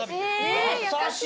優しい。